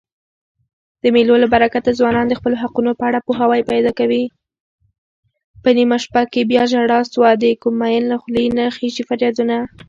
په نېمه شپه کې بياژړا سوه دکوم مين له خولې نه خيژي فريادونه